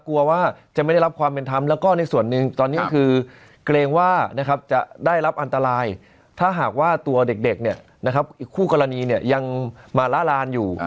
กลัวว่าจะไม่ได้รับความเป็นธรรมแล้วก็ในส่วนหนึ่งตอนนี้คือเกรงว่าจะได้รับอันตรายถ้าหากว่าตัวเด็กคู่กรณียังมาละลานอยู่